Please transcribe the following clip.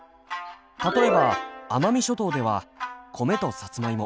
例えば奄美諸島では米とさつまいも。